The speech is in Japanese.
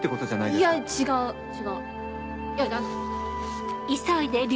いや違う違う。